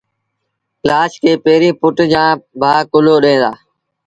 لآش کي پيريݩ پُٽ جآݩ ڀآ ڪُلهو ڏيݩ دآ